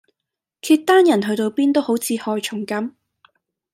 契丹人去到邊都好似害蟲咁